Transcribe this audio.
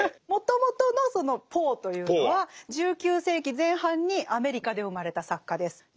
もともとのそのポーというのは１９世紀前半にアメリカで生まれた作家です。